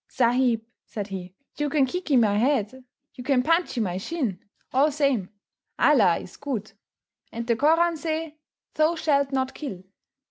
"Sahib," said he, "you can kickee my head, you can punchee my shin all same. Allah is good, and the Koran say, 'Thou shalt not kill.